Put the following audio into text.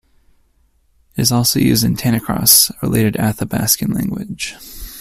It is also used in Tanacross, a related Athabaskan language.